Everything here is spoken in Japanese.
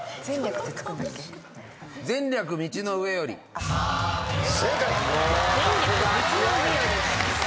『前略、道の上より』正解。